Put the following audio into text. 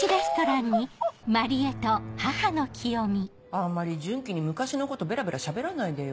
あんまり順基に昔のことベラベラしゃべらないでよ。